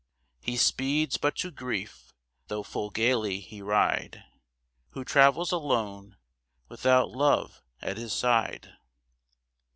He speeds but to grief though full gaily he ride Who travels alone without love at his side.